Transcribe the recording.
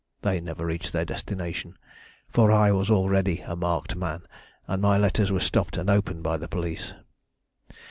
They never reached their destination, for I was already a marked man, and my letters were stopped and opened by the police.